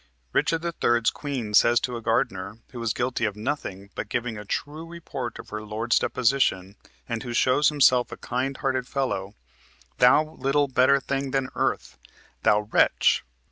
Richard III.'s Queen says to a gardener, who is guilty of nothing but giving a true report of her lord's deposition and who shows himself a kind hearted fellow, "Thou little better thing than earth," "thou wretch"!